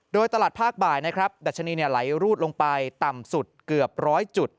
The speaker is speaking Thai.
โดยตลาดภาคบ่ายนะครับดัชนีไหลรูดลงไปต่ำสุดเกือบร้อยจุด